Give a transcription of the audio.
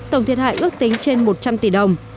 tổng thiệt hại ước tính trên một trăm linh tỷ đồng